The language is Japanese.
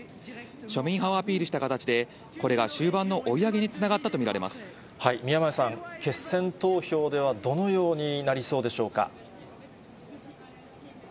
庶民派をアピールした形で、これが終盤の追い上げにつながっ宮前さん、決選投票ではどのようになりそうでしょうか。